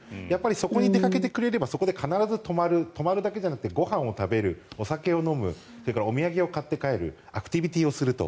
そこに出かけてくれればそこで必ず泊まる泊まるだけじゃなくてご飯を食べる、お酒を飲むそれからお土産を買って帰るアクティビティーをすると。